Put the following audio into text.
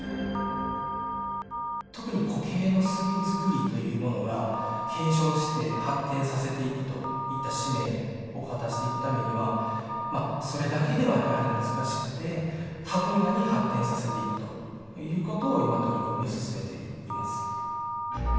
特に固形の墨作りというものが、継承して発展させていくといった使命を果たしていくためには、それだけではやはり難しくて、他分野に発展させていくということを今、取り組みを進めています。